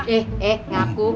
eh eh ngaku